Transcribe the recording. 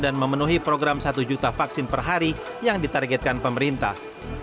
dan memenuhi program satu juta vaksin per hari yang ditargetkan pemerintah